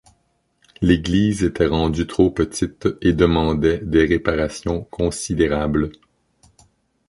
L'église était rendu trop petite et demandais des réparation considérable.